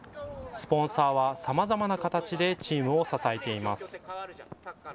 スポンサーはさまざまな形でチームを支えています。